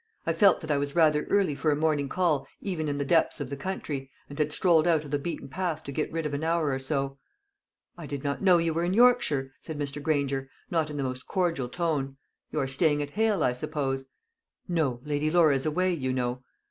I felt that I was rather early for a morning call even in the depths of the country, and had strolled out of the beaten path to get rid of an hour or so." "I did not know you were in Yorkshire," said Mr. Granger, not in the most cordial tone. "You are staying at Hale, I suppose?" "No; Lady Laura is away, you know."